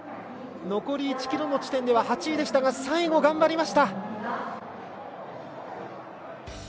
残り１ｋｍの地点では８位でしたが最後、頑張りました。